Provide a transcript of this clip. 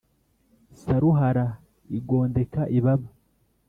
Saruhara igondeka ibaba